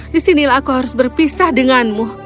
di sinilah aku harus berpisah denganmu